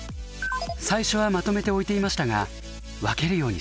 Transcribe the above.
最初はまとめて置いていましたが分けるようにしました。